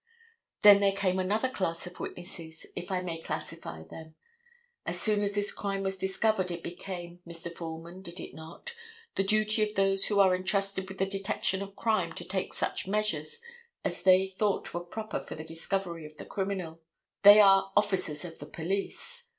Then there came another class of witnesses, if I may classify them. As soon as this crime was discovered it became, Mr. Foreman, did it not, the duty of those who are intrusted with the detection of crime to take such measures as they thought were proper for the discovery of the criminal. They are officers of the police.